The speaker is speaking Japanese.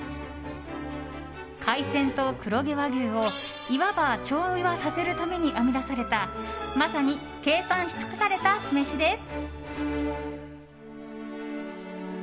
海鮮と黒毛和牛をいわば調和させるために編み出されたまさに計算し尽くされた酢飯です。